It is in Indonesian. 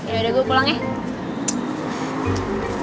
yaudah gue pulang ya